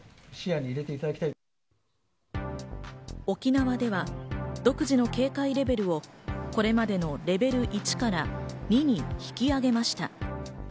沖縄では独自の警戒レベルをこれまでのレベル１から２へ引き上げました。